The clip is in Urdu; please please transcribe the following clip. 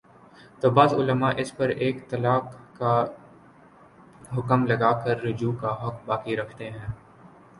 تو بعض علما اس پر ایک طلاق کا حکم لگا کر رجوع کا حق باقی رکھتے ہیں